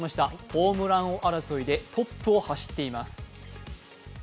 ホームラン王争いでトップを走っています。